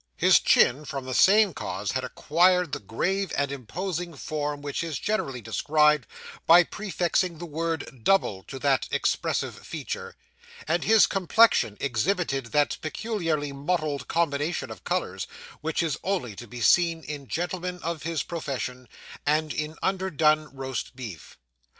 His chin, from the same cause, had acquired the grave and imposing form which is generally described by prefixing the word 'double' to that expressive feature; and his complexion exhibited that peculiarly mottled combination of colours which is only to be seen in gentlemen of his profession, and in underdone roast beef.